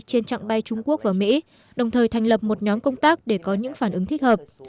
trên trạng bay trung quốc và mỹ đồng thời thành lập một nhóm công tác để có những phản ứng thích hợp